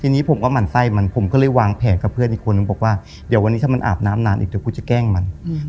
ทีนี้ผมก็หมั่นไส้มันผมก็เลยวางแผนกับเพื่อนอีกคนนึงบอกว่าเดี๋ยววันนี้ถ้ามันอาบน้ำนานอีกเดี๋ยวกูจะแกล้งมัน